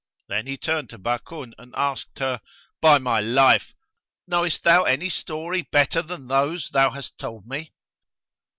Then he turned to Bakun and asked her, "By my life! knowest thou any story better than those thou hast told me?"